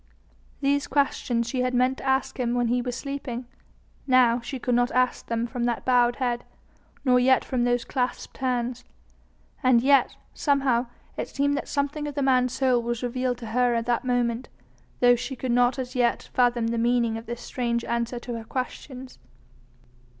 These questions she had meant to ask him when he was sleeping: now she could not ask them from that bowed head, nor yet from those clasped hands. And yet, somehow, it seemed that something of the man's soul was revealed to her at this moment, though she could not as yet fathom the meaning of this strange answer to her questions.